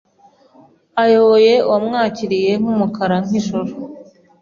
ayoboye uwamwakiriye nkumukara nkijoro